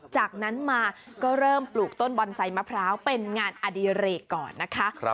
จากนั้นมาก็เริ่มปลูกต้นบอนไซต์มะพร้าวเป็นงานอดีเรกก่อนนะคะ